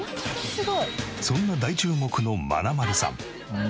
そんな大注目のまなまるさん。